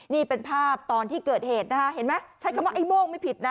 นี่เป็นภาพตอนที่เกิดเหตุนะคะเห็นไหมใช้คำว่าไอ้โม่งไม่ผิดนะ